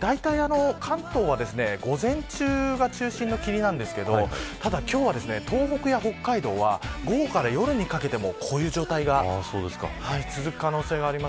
だいたい関東は午前中が中心の霧なんですが今日は東北や北海道は午後から夜にかけてもこういう状態が続く可能性があります。